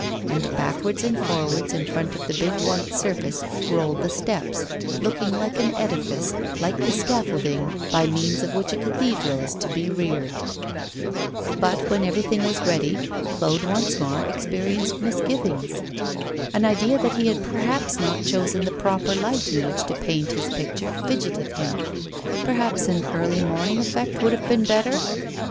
And backwards and forwards in front of the big white surface rolled the steps, looking like an edifice, like the scaffolding by means of which a cathedral is to be reared. But when everything was ready, Claude once more experienced misgivings. An idea that he had perhaps not chosen the proper light in which to paint his picture fidgeted him. Perhaps an early morning effect would have been better?